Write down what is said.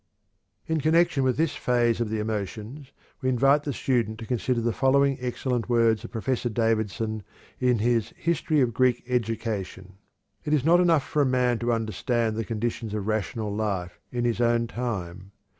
In connection with this phase of the emotions, we invite the student to consider the following excellent words of Professor Davidson in his "History of Greek Education": "It is not enough for a man to understand the conditions of rational life in his own time.